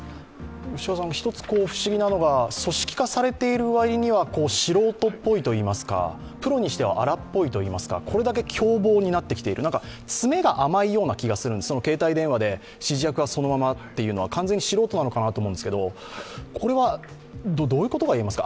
不思議なのが、組織化されている割には素人っぽいと言いますかプロにしては荒っぽいといいますかこれだけ凶暴になってきている詰めが甘いような気がする携帯電話で指示役がそのままというのは、完全に素人なのかなと思うんですけどこれはどういうことがいえますか？